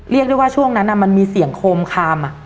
เรียกได้ว่าช่วงนั้นมันมีเสียงโคมคาม